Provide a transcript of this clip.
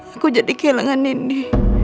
aku jadi kehilangan nini